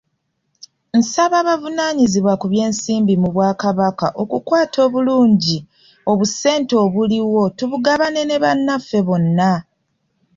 Nsaba abavunaanyizibwa ku by'ensimbi mu bwa kabaka okukwata obulungi obusente obuliwo tubugabane ne bannaffe bonna.